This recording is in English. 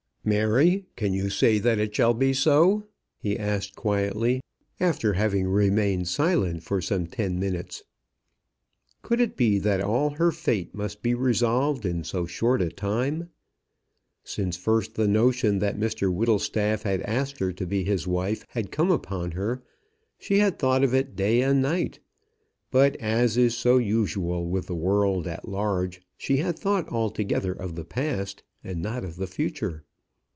"Mary, can you say that it shall be so?" he asked quietly, after having remained silent for some ten minutes. Could it be that all her fate must be resolved in so short a time? Since first the notion that Mr Whittlestaff had asked her to be his wife had come upon her, she had thought of it day and night. But, as is so usual with the world at large, she had thought altogether of the past, and not of the future.